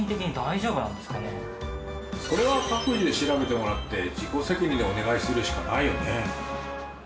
それは各自で調べてもらって自己責任でお願いするしかないよね。